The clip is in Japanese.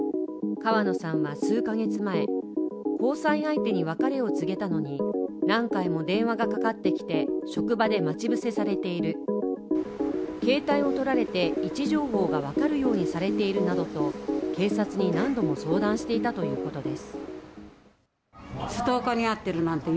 川野さんは数か月前、交際相手に別れを告げたのに何回も電話がかかってきて、職場で待ち伏せされている、携帯を取られて位置情報が分かるようにされているなどと警察に何度も相談していたということです。